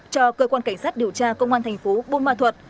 cho cơ quan cảnh sát điều tra công an thành phố buôn ma thuật